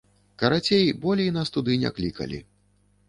Карацей, болей нас туды не клікалі.